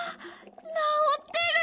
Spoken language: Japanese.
なおってる！